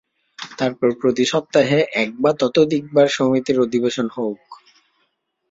তারপর প্রতি সপ্তাহে এক বা ততোধিক বার সমিতির অধিবেশন হউক।